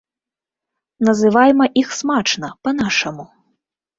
Называйма іх смачна, па-нашаму.